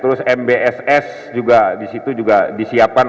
terus mbss juga disitu juga disiapkan